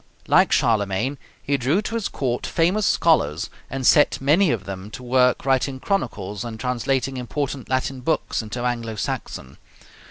Like Charlemagne he drew to his court famous scholars, and set many of them to work writing chronicles and translating important Latin books into Anglo Saxon.